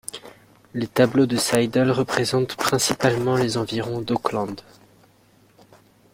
Les tableaux de Siddell représentent principalement les environs d'Auckland.